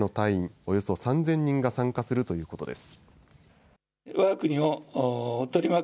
およそ３０００人が参加するということです。